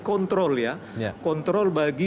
kontrol ya kontrol bagi